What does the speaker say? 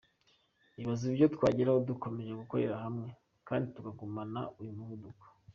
Ibaze ibyo twageraho dukomeje gukorera hamwe, kandi tukagumana uyu muvuduko.